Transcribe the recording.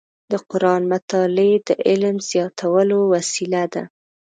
د قرآن مطالع د علم زیاتولو وسیله ده.